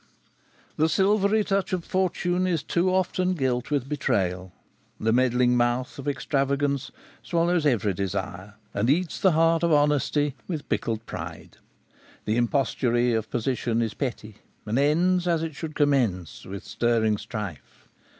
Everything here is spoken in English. The silvery touch of fortune is too often gilt with betrayal: the meddling mouth of extravagance swallows every desire, and eats the heart of honesty with pickled pride: the impostury of position is petty, and ends, as it should commence, with stirring strife.